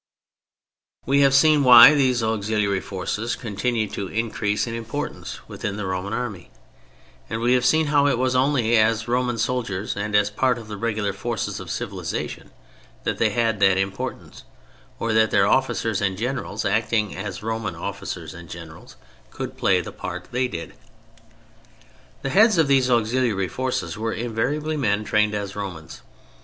We have seen why these auxiliary forces continued to increase in importance within the Roman Army, and we have seen how it was only as Roman soldiers, and as part of the regular forces of civilization, that they had that importance, or that their officers and generals, acting as Roman officers and generals, could play the part they did. The heads of these auxiliary forces were invariably men trained as Romans.